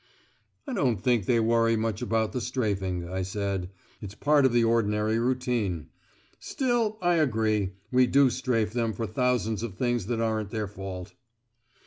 "I don't think they worry much about the strafing," I said. "It's part of the ordinary routine. Still, I agree, we do strafe them for thousands of things that aren't their fault."